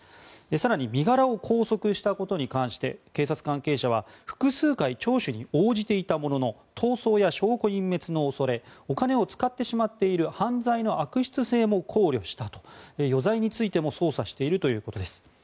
更に身柄を拘束したことに関して警察関係者は複数回聴取に応じていたものの逃走や証拠隠滅の恐れお金を使ってしまっている犯罪の悪質性も考慮したと余罪についても捜査しているということです。